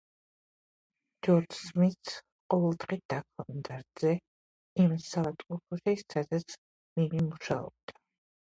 ჯორჯ სმითს ყოველდღე დაჰქონდა რძე იმ საავადმყოფოში, სადაც მიმი მუშაობდა.